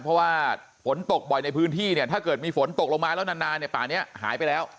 เพราะว่าฝนตกบ่อยในพื้นที่เนี่ยถ้าเกิดมีฝนตกลงมาแล้วนานเนี่ยป่านี้หายไปแล้ว